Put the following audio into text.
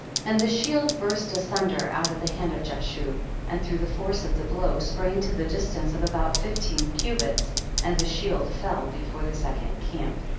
33. And the shield burst asunder out of the hand of Jashub, and through the force of the blow sprang to the distance of about fifteen cubits, and the shield fell before the second camp.